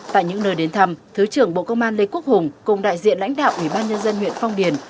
tại những nơi đến thăm thứ trưởng bộ công an lê quốc hùng cùng đại diện lãnh đạo ủy ban nhân dân huyện phong điền